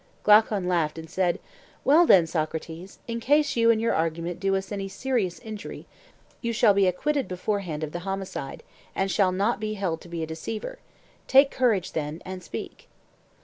Glaucon laughed and said: Well then, Socrates, in case you and your argument do us any serious injury you shall be acquitted beforehand of the homicide, and shall not be held to be a deceiver; take courage then and speak.